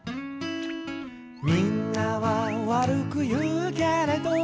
「みんなはわるくいうけれど」